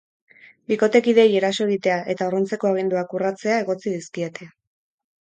Bikotekideei eraso egitea eta urruntzeko aginduak urratzea egotzi dizkiete.